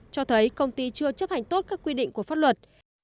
cho thấy công ty chưa chấp hành tốt các quy định của pháp luật